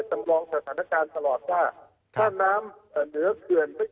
ตำรองสถานการณ์ตลอดว่าถ้าน้ำเหนือเกือบเกือบ